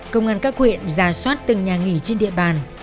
công an các huyện giả soát từng nhà nghỉ trên địa bàn